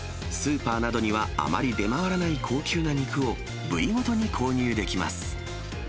スーパーなどにはあまり出回らない高級な肉を、部位ごとに購入できます。